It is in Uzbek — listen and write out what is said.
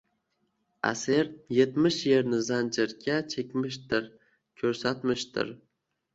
Asir etmish yerni zanjirga, chekmishdir, koʻshatmishdir